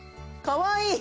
かわいい。